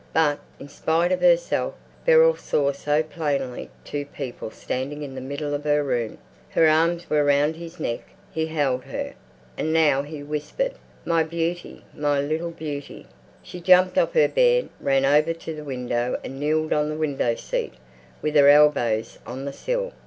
But, in spite of herself, Beryl saw so plainly two people standing in the middle of her room. Her arms were round his neck; he held her. And now he whispered, "My beauty, my little beauty!" She jumped off her bed, ran over to the window and kneeled on the window seat, with her elbows on the sill.